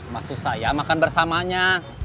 maksud saya makan bersamanya